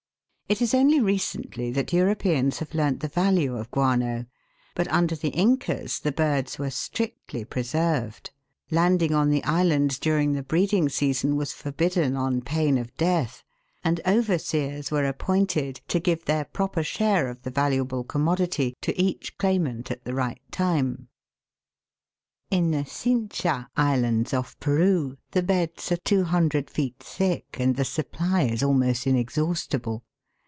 It is only recently that Europeans have learnt the value of guano, but under the Incas the birds were strictly pre served ; landing on the islands during the breeding season was forbidden on pain of death, and overseers were ap pointed to give their proper share of the valuable commo dity to each claimant at the right time. In the Cincha Islands, off Peru, the beds are two hun dred feet thick, and the supply is almost inexhaustible.